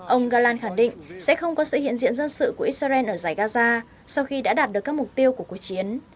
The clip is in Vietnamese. ông galan khẳng định sẽ không có sự hiện diện dân sự của israel ở giải gaza sau khi đã đạt được các mục tiêu của cuộc chiến